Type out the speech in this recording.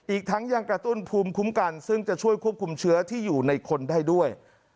อีกทั้งยังกระตุ้นภูมิคุ้มกันซึ่งจะช่วยควบคุมเชื้อที่อยู่ในคนได้ด้วย